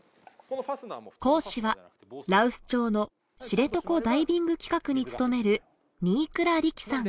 講師は羅臼町の知床ダイビング企画に勤める新倉理希さん。